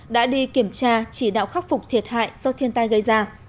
đã đi kiểm tra chỉ đạo khắc phục thiệt hại do thiên tai gây ra